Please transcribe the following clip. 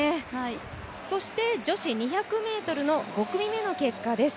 そして、女子２００ｍの５組目の結果です。